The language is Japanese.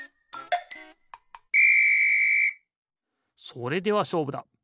それではしょうぶだ！